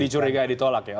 dicurigai ditolak ya oke